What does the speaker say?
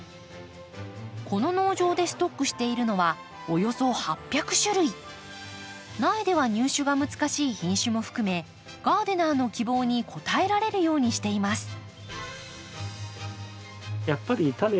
この農場でストックしているのは苗では入手が難しい品種も含めガーデナーの希望に応えられるようにしています。